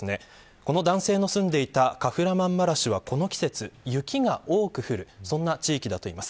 この男性の住んでいたカフラマンマラシュは、この季節雪が多く降る地域だといいます。